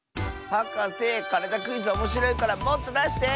はかせ「からだクイズ」おもしろいからもっとだして！